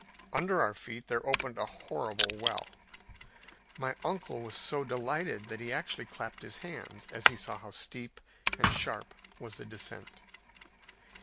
Under our feet there opened a horrible well. My uncle was so delighted that he actually clapped his hands as he saw how steep and sharp was the descent.